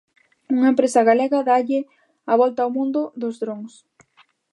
Unha empresa galega dálle a volta ao mundo dos drons.